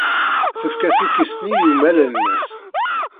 Tefka tukkist-nni i umalal-nnes.